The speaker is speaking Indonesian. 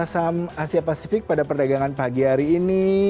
pembelian asam asia pasifik pada perdagangan pagi hari ini